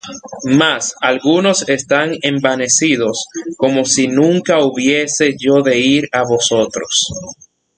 Mas algunos están envanecidos, como si nunca hubiese yo de ir á vosotros.